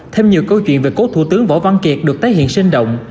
thêm nhiều câu chuyện về cố thủ tướng võ văn kiệt được tái hiện sinh động